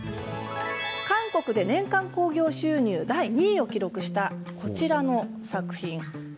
韓国で年間興行収入２位を記録したこちらの作品です。